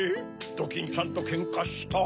ドキンちゃんとケンカした？